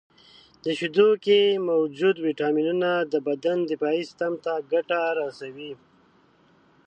• د شیدو کې موجودې ویټامینونه د بدن دفاعي سیستم ته ګټه رسوي.